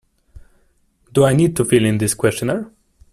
Do I need to fill in this questionnaire?